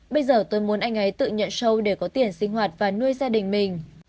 bây giờ tôi muốn anh ấy tự nhận sâu để có tiền sinh hoạt và nuôi gia đình mình